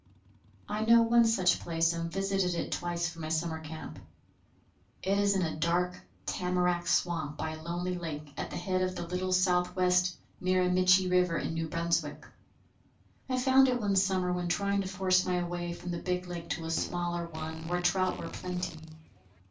I know one such place, and visited it twice from my summer camp. It is in a dark tamarack swamp by a lonely lake at the head of the Little South West Miramichi River, in New Brunswick. I found it one summer when trying to force my way from the big lake to a smaller one, where trout were plenty.